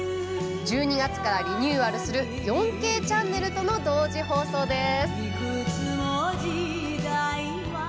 １２月からリニューアルする４Ｋチャンネルとの同時放送です。